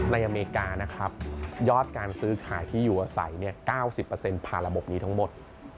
อเมริกานะครับยอดการซื้อขายที่อยู่อาศัย๙๐ผ่านระบบนี้ทั้งหมด